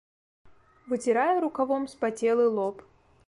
Выцірае рукавом спацелы лоб.